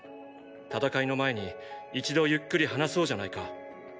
戦いの前に一度ゆっくり話そうじゃないか。